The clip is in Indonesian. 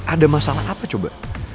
ada masalah apa coba